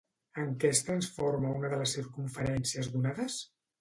En què es transforma una de les circumferències donades?